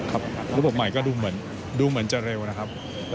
ระบบใหม่ก็ดูเหมือนจะเร็วนะครับ